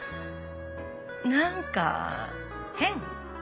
何か変。